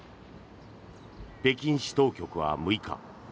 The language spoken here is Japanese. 北京市当局は６日